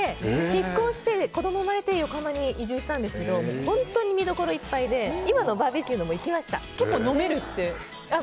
結婚して子供が生まれて横浜に移住したんですが本当に見どころいっぱいで今のバーベキューのも結構、飲めるって？